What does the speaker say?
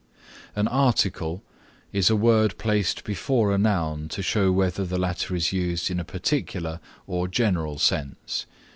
An Article is a word placed before a noun to show whether the latter is used in a particular or general sense.